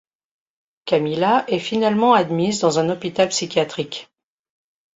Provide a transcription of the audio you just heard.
Camilla est finalement admise dans un hôpital psychiatrique.